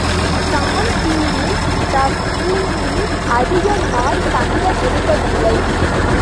Dan Breen டப்ளினில் அதிக நாள் தங்க விரும்பவில்லை.